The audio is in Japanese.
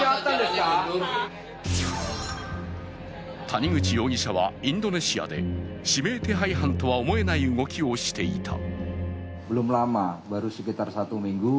谷口容疑者はインドネシアで指名手配犯とは思えない動きをしていた。